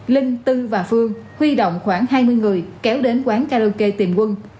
linh tư và phương huy động khoảng hai mươi người kéo đến quán karaoke tìm quân